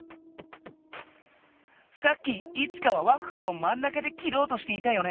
さっきイチカはワッフルをまん中できろうとしていたよね。